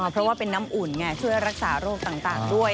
เพราะว่าเป็นน้ำอุ่นไงช่วยรักษาโรคต่างด้วย